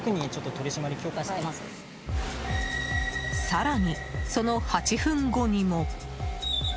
更に、その８分後にも。